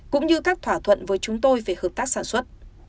cũng như các thỏa thuận với chúng tôi về hợp tác sản xuất